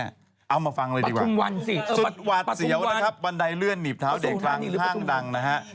เอามาฟังเลยดีกว่าสุดหวาดเสียวนะครับบันไดเลื่อนหนีบเท้าเด็กกลางห้างดังนะฮะ